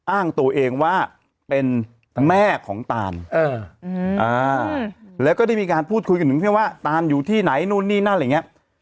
อ้างตัวเองว่าเป็นแม่ของตานแล้วก็ได้มีการพูดคุยกับหนึ่งเพียงว่าตานอยู่ที่ไหนนู่นนี่นั่นอะไรอย่างนี้